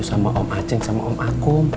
sama om aceh sama om aku